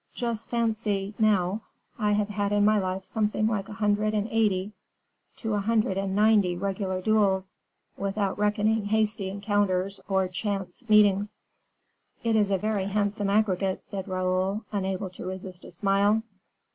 Just fancy, now, I have had in my life something like a hundred and eighty to a hundred and ninety regular duels, without reckoning hasty encounters, or chance meetings." "It is a very handsome aggregate," said Raoul, unable to resist a smile.